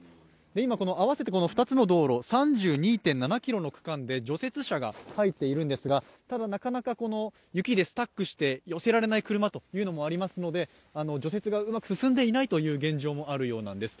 今、合わせて２つの道路３２．７ｋｍの区間で除雪車が入っているんですがただなかなか雪でスタックして寄せられない車というのもありますので除雪がうまく進んでいないという現状もあるようなんです。